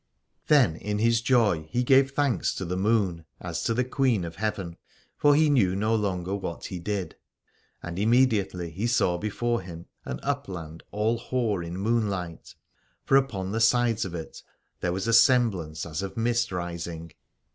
Then in his joy he gave thanks to the Moon, as to the Queen of Heaven : for he knew no longer what he did. And immediately he saw before him an upland all hoar in moonlight : for upon the sides of it there was a semblance as of mist rising.